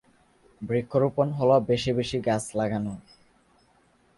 বৃক্ষরোপন হলো বেশি বেশি গাছ লাগানো।